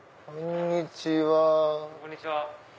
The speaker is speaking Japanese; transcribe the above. こんにちは。